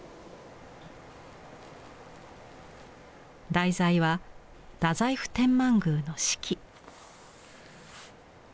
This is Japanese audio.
題材は太宰府天満宮の四季。